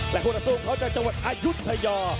และคู่ต่อสู้เขาจากจังหวัดอายุทยา